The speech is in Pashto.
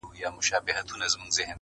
له بارانه دي ولاړ کړمه ناوې ته.!